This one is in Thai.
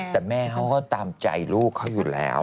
แต่แม่เขาก็ตามใจลูกเขาอยู่แล้ว